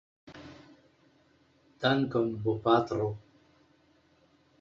Dankon bopatro.